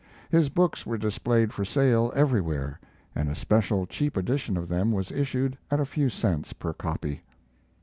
His books were displayed for sale everywhere, and a special cheap edition of them was issued at a few cents per copy.